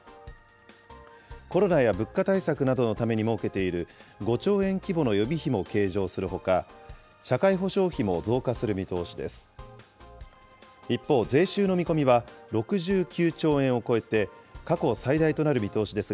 コロナや物価対策などのために設けている５兆円規模の予備費も計上するほか、社会保障費も増加する見通しです。